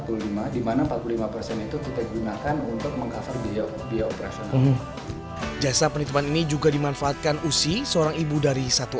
untuk menghafal video biopresen jasa penituman ini juga dimanfaatkan usi seorang ibu dari satu